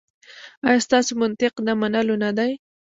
ایا ستاسو منطق د منلو نه دی؟